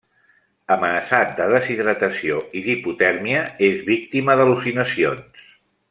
Amenaçat de deshidratació i d'hipotèrmia, és víctima d'al·lucinacions.